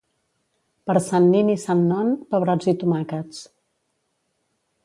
Per Sant Nin i Sant Non, pebrots i tomàquets.